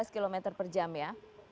lima belas km per jam ya